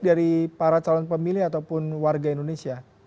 dari para calon pemilih ataupun warga indonesia